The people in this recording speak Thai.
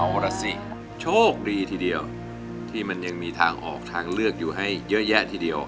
เอาล่ะสิโชคดีทีเดียวที่มันยังมีทางออกทางเลือกอยู่ให้เยอะแยะทีเดียว